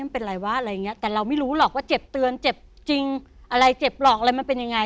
ไม่เป็นไรวะอะไรอย่างเงี้ยแต่เราไม่รู้หรอกว่าเจ็บเตือนเจ็บจริงอะไรเจ็บหรอกอะไรมันเป็นยังไง